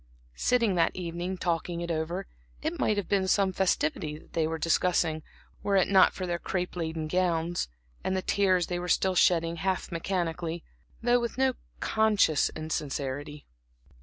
Sitting that evening, talking it all over, it might have been some festivity that they were discussing, were it not for their crape laden gowns, and the tears they were still shedding half mechanically, though with no conscious insincerity.